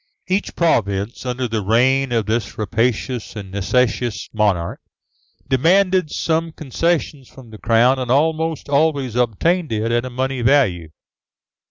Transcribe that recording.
Each province, under the reign of this rapacious and necessitous monarch, demanded some concession from the crown, and almost always obtained it at a money value.